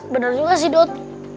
bener juga sih dot